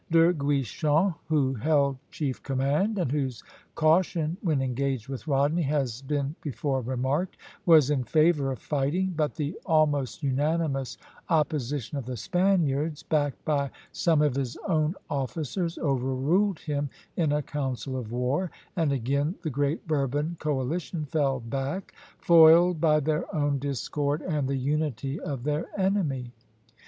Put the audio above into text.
De Guichen, who held chief command, and whose caution when engaged with Rodney has been before remarked, was in favor of fighting; but the almost unanimous opposition of the Spaniards, backed by some of his own officers, overruled him in a council of war, and again the great Bourbon coalition fell back, foiled by their own discord and the unity of their enemy.